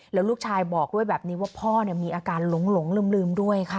แล้วลูกชายบอกด้วยแบบนี้ว่าพ่อมีอาการหลงลืมด้วยค่ะ